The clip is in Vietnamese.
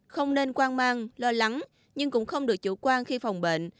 không nên hoang mang lo lắng nhưng cũng không được chủ quan khi phòng bệnh